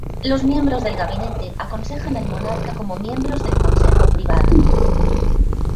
Los miembros del gabinete aconsejan al monarca como miembros del Consejo Privado.